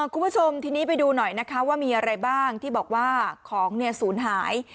คุณผู้ชมทีนี้ไปดูหน่อยนะคะว่ามีอะไรบ้างที่บอกว่าของศูนย์หาย